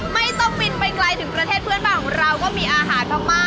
ไม่ต้องบินไปไกลถึงประเทศเพื่อนบ้านของเราก็มีอาหารพม่า